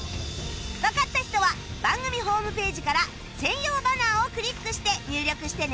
わかった人は番組ホームページから専用バナーをクリックして入力してね